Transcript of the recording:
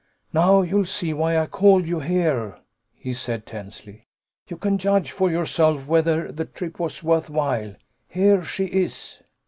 "Now you'll see why I called you here," he said tensely. "You can judge for yourself whether the trip was worth while. Here she is!"